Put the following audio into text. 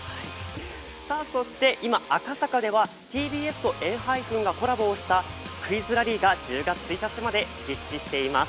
そして今赤坂ではＴＢＳとＥＮＨＹＰＥＮがコラボをしたクイズラリーが１０月１日まで実施しています。